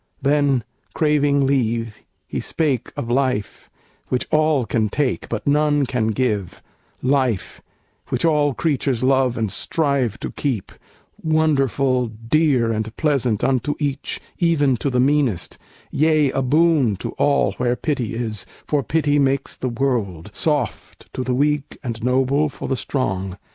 Then, craving leave, he spake Of life, which all can take, but none can give, Life, which all creatures love and strive to keep, Wonderful, dear and pleasant unto each, Even to the meanest; yea, a boon to all Where pity is, for pity makes the world Soft to the weak and noble for the strong.